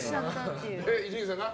伊集院さんが？